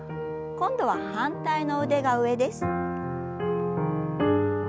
今度は反対の腕が上です。